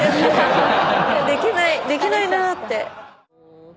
できないできないなって。